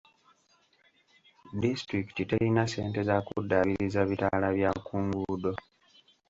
Disitulikiti terina ssente za kuddaabiriza bitaala bya kunguudo.